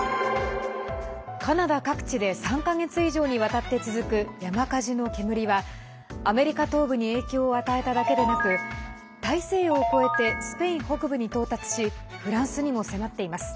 カナダ各地で３か月以上にわたって続く山火事の煙は、アメリカ東部に影響を与えただけでなく大西洋を越えてスペイン北部に到達しフランスにも迫っています。